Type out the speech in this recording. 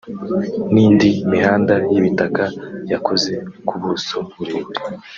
n’indi mihanda y’ibitaka yakoze ku buso burebure